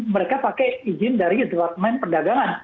mereka pakai izin dari departemen perdagangan